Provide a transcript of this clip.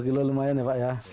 rp empat puluh lumayan ya pak ya